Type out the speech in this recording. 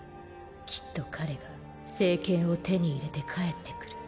きっと彼が聖剣を手に入れて帰って来る。